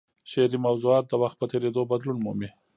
شعري موضوعات د وخت په تېرېدو بدلون مومي.